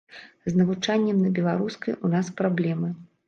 З навучаннем на беларускай у нас праблемы.